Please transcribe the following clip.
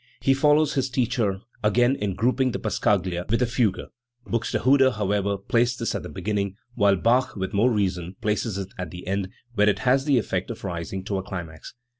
He follows his teacher, again, in grouping the passacaglia with a fugue. Buxtehude, however, placed this at the beginning, while Early Chorale Preludes. 381 Bach, with more reason, place.s it at the end, where it has the effect of rising to a climax.